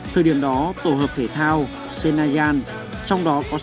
thời điểm đó tổ hợp thể thao senayan trong đó có sân bay